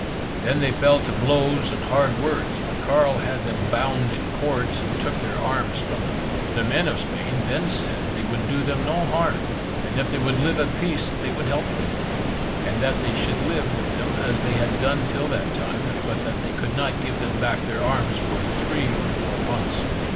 They then fell to blows and hard words, but Carl had them bound in cords, and took their arms from them. The men of Spain then said they would do them no harm, and if they would live at peace they would help them, and that they should live with them as they had done till that time, but they could not give them back their arms for three or four months.